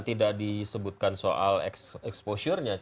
tidak disebutkan soal exposure nya